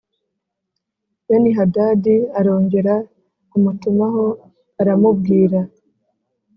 Benihadadi arongera amutumaho aramubwira